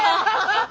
ハハハ！